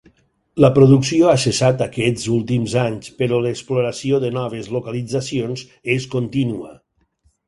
La producció ha cessat aquests últims anys però l'exploració de noves localitzacions és contínua.